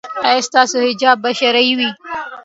ایا ستاسو حجاب به شرعي وي؟